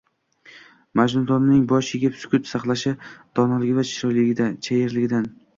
Majnuntolning bosh egib sukut saqlashi donoligi va chayirligidan.